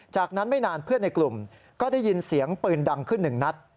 จากนั้นไม่นานเพื่อนในกลุ่มก็ได้ยินเสียงปืนดังขึ้นหนึ่งนัด